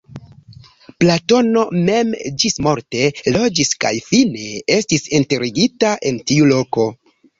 Platono mem ĝismorte loĝis kaj fine estis enterigita en tiu loko.